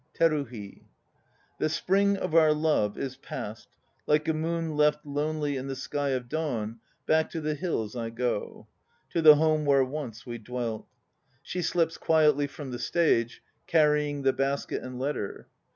TERUHI. The Spring of our love is passed! Like a moon left lonely In the sky of dawn, back to the hills I go, To the home where once we dwelt. (She slips quietly from the stage, carrying the basket and letter.